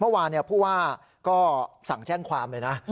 เมื่อวานผู้ว่าก็สั่งแจ้งความเลยนะ